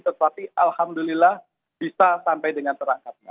tetapi alhamdulillah bisa sampai dengan terangkatnya